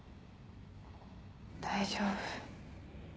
大丈夫。